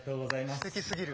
すてきすぎる。